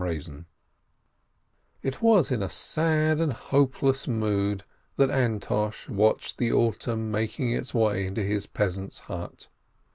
LATE It was in sad and hopeless mood that Antosh watched the autumn making its way into his peasant's hut.